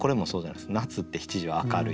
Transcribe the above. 夏って七時は明るいって。